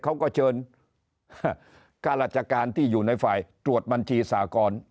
เขาก็เชิญค่าราชการที่อยู่ในฝ่ายตรวจบัญชีสากร